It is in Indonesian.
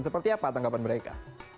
seperti apa tanggapan mereka